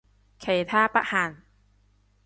其他不限